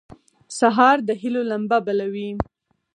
سهار د هيلو لمبه بلوي.